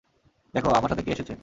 দেখো, আমার সাথে কে এসেছেন।